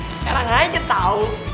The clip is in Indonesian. sekarang aja tau